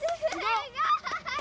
すごい！